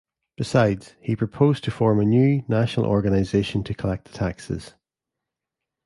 Besides, he proposed to form a new, national organisation to collect the taxes.